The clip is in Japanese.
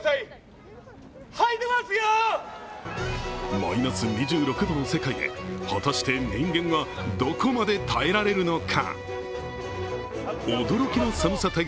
マイナス２６度の世界で果たして人間がどこまで耐えられるのか？